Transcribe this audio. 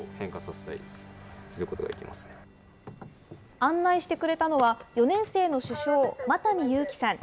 案内してくれたのは、４年生の主将、麻谷悠貴さん。